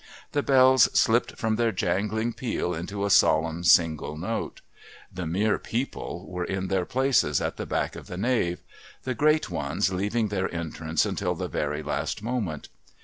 The bells slipped from their jangling peal into a solemn single note. The Mere People were in their places at the back of the nave, the Great Ones leaving their entrance until the very last moment.